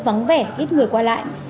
vắng vẻ ít người qua lại